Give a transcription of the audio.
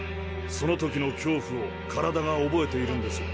その時の恐怖を体が覚えているんです。